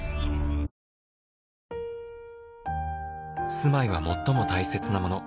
「住まいは最も大切なもの」